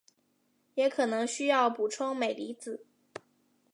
也可能需要补充镁离子。